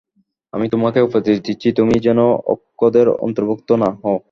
আমি তোমাকে উপদেশ দিচ্ছি, তুমি যেন অজ্ঞদের অন্তর্ভুক্ত না হও।